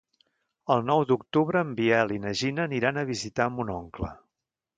El nou d'octubre en Biel i na Gina aniran a visitar mon oncle.